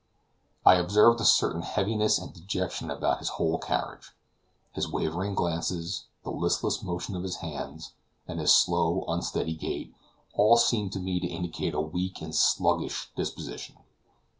I observed a certain heaviness and dejection about his whole carriage. His wavering glances, the listless motion of his hands, and his slow, unsteady gait, all seem to me to indicate a weak and sluggish disposition.